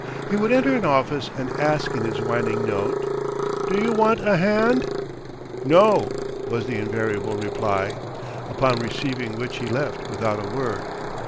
He would enter an office and ask in his whining note: "Do you want a hand?" "No," was the invariable reply; upon receiving which he left without a word.